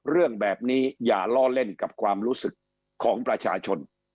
เรื่องแบบนี้อย่าล้อเล่นกับความรู้สึกของประชาชน